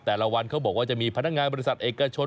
แต่ละวันเขาบอกว่าจะมีพนักงานบริษัทเอกชน